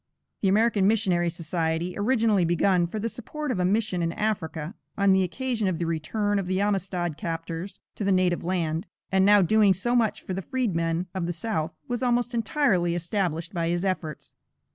The American Missionary Society, originally begun for the support of a mission in Africa, on the occasion of the return of the Amistad captors to their native land, and now doing so much for the freedmen of the South, was almost entirely established by his efforts.